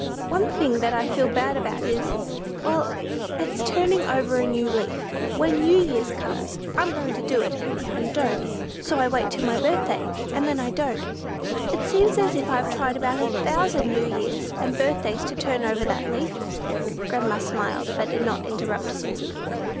One thing that I feel bad about is well, it's turning over a new leaf. When New Year's comes, I'm going to do it, and don't; so I wait till my birthday, and then I don't. It seems as if I'd tried about a thousand New Years and birthdays to turn over that leaf." Grandma smiled, but did not interrupt Susy.